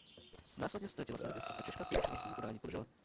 Následně ztratila servis a Češka si již vlastní podání podržela.